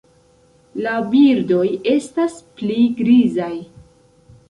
La birdoj estas pli grizaj.